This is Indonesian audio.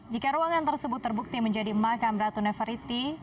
jika ruangan tersebut terbukti menjadi makam ratu neverity